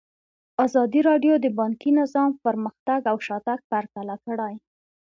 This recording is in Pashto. ازادي راډیو د بانکي نظام پرمختګ او شاتګ پرتله کړی.